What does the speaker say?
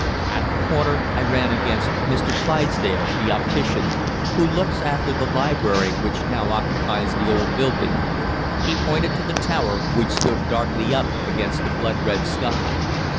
At the corner I ran against Mr. Clydesdale, the optician, who looks after the library which now occupies the old building. He pointed to the tower, which stood darkly up against the blood red sky.